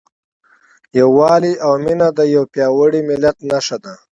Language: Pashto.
یووالی او مینه د یو پیاوړي ملت نښه ده.